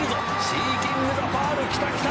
「シーキングザパールきたきた！